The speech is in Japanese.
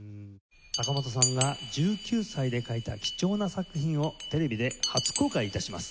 坂本さんが１９歳で書いた貴重な作品をテレビで初公開致します。